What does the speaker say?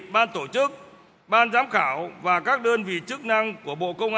ban tổ chức ban giám khảo và các đơn vị chức năng của bộ công an